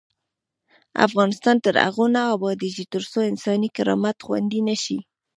افغانستان تر هغو نه ابادیږي، ترڅو انساني کرامت خوندي نشي.